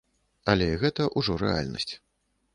Але і гэта ўжо рэальнасць.